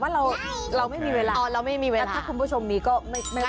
แต่ว่าเราไม่มีเวลาอ๋อเราไม่มีเวลาถ้าคุณผู้ชมนี้ก็ไม่ว่าจะ